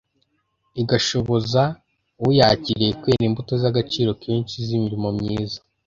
igashoboza uyakiriye kwera imbuto z’agaciro kenshi z’imirimo myiza.